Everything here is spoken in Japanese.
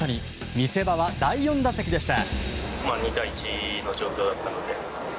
見せ場は第４打席でした。